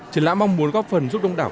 triển lãm mong muốn góp phần giúp đông đảo